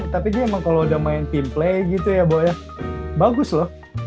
tapi dia emang kalo udah main team play gitu ya boya bagus loh